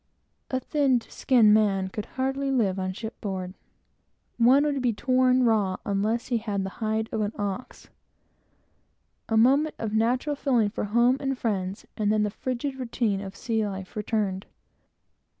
A thin skinned man could not live an hour on ship board. One would be torn raw unless he had the hide of an ox. A moment of natural feeling for home and friends, and then the frigid routine of sea life returned.